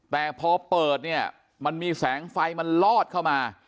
แต่พอเปิดเนี่ยมันมีแสงไฟมันลอดเข้ามา